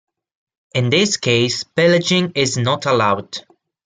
In this case pillaging is not allowed.